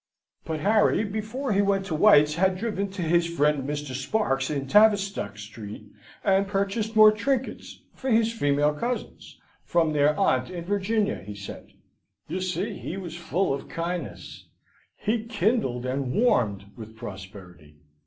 But Harry, before he went to White's, had driven to his friend Mr. Sparks, in Tavistock Street, and purchased more trinkets for his female cousins "from their aunt in Virginia," he said. You see, he was full of kindness: he kindled and warmed with prosperity.